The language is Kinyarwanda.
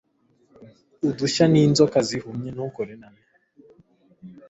Udushya ninzoka zihumye ntukore nabi